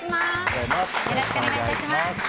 よろしくお願いします。